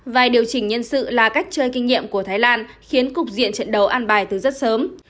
và điều chỉnh nhân sự là cách chơi kinh nghiệm của thái lan khiến cục diện trận đấu an bài từ rất sớm